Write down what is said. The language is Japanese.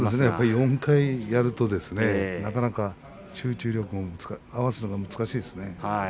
４回やると、なかなか集中力も合わせるのが難しいですね。